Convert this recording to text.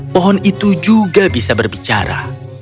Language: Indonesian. pohon itu juga bisa berbicara